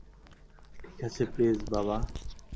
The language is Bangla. ঠিক আছে প্লিজ, বাবা।